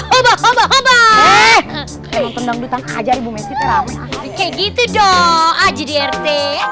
oba oba oba emang tentang ditangkap aja di rp satu gitu dong aja di rt